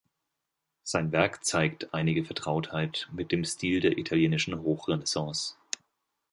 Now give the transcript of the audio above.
Sein Werk zeigt einige Vertrautheit mit dem Stil der italienischen Hochrenaissance.